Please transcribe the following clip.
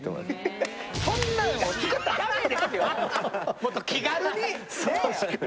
もっと気軽に！